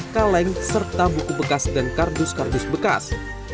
kaleng serta buku bekas dan kardus kardus bekas